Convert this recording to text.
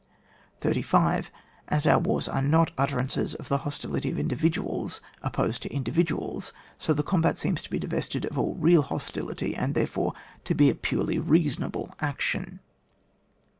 35. As our wars are not utterances of the hostility of individuals opposed to indi viduals, so the combat seems to be divested of all real hostility, and therefore to be a purely reasonable action.